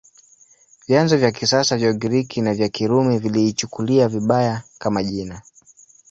Vyanzo vya kisasa vya Ugiriki na vya Kirumi viliichukulia vibaya, kama jina.